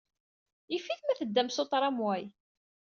Yif-it ma teddam s uṭramway.